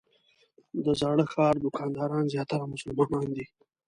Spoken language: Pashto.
د زاړه ښار دوکانداران زیاتره مسلمانان دي.